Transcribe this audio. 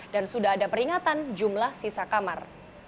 dan sudah ada peringatan jumlah sisa kamar